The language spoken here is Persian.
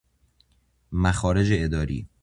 مخارج اداری